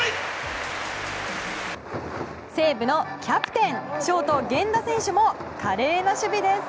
西武のキャプテン、ショート源田選手も華麗な守備です！